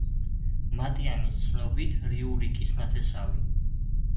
მატიანის ცნობით, რიურიკის ნათესავი.